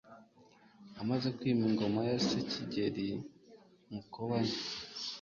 amaze kwima ingoma ya se Kigeli Mukobanya